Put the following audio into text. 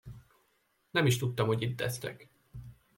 Nem is tudtam, hogy itt esztek.